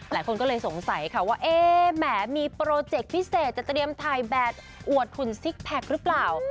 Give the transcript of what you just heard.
หลายคนก็เลยสงสัยค่ะว่าเอ๊ะแหมมีโปรเจคพิเศษจะเตรียมถ่ายแบบอวดหุ่นซิกแพคหรือเปล่า